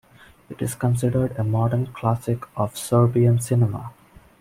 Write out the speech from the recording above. It is considered a modern classic of Serbian cinema.